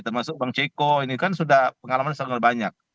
termasuk bang ceko ini kan sudah pengalaman sangat banyak